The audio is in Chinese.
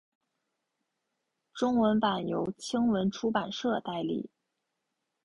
中文版由青文出版社代理。